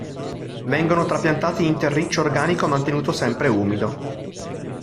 Vengono trapiantati in terriccio organico mantenuto sempre umido.